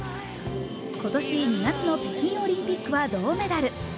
今年２月の北京オリンピックは銅メダル。